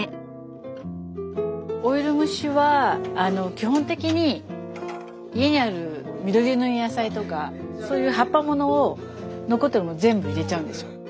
オイル蒸しは基本的に家にある緑色の野菜とかそういう葉っぱものを残ってるものを全部入れちゃうんですよ。